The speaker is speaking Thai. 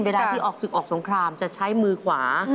เวลาที่ออกศึกออกสงครามจะใช้มือขวา